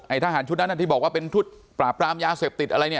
ทหารชุดนั้นที่บอกว่าเป็นชุดปราบปรามยาเสพติดอะไรเนี่ย